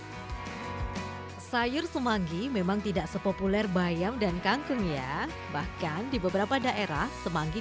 hai sayur semanggi memang tidak sepopuler bayam dan kangkung ya bahkan di beberapa daerah semanggi